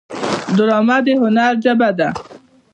ډرامه د هنر ژبه ده